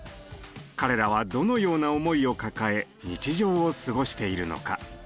彼らはどのような思いを抱え日常を過ごしているのか。